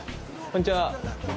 こんにちは。